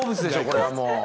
これはもう。